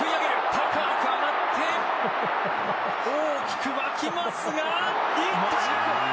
高く上がって大きく沸きますが行った！